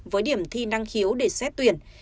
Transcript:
với điểm thi năng khiếu để xét tuyển